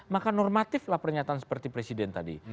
maka normatiflah pernyataan seperti presiden tadi